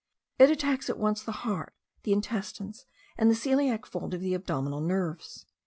It attacks at once the heart, the intestines, and the caeliac fold of the abdominal nerves.